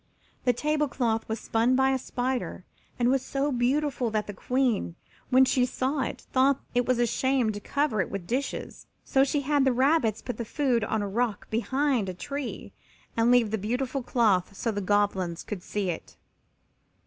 The table cloth was spun by a spider and was so beautiful that the Queen, when she saw it, thought it was a shame to cover it with dishes, so she had the rabbits put the food on a rock behind a tree and leave the beautiful cloth so the Goblins could see it.